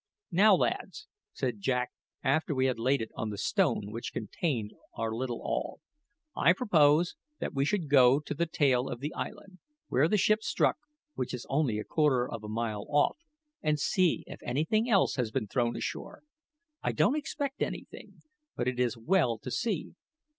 "Now, lads," said Jack after we had laid it on the stone which contained our little all, "I propose that we should go to the tail of the island, where the ship struck, which is only a quarter of a mile off; and see if anything else has been thrown ashore. I don't expect anything, but it is well to see.